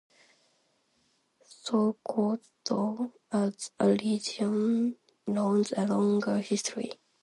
Sokoto, as a region, knows a longer history.